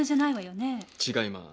違います。